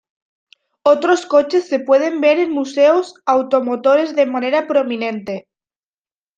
Otros coches se pueden ver en museos automotores de manera prominente.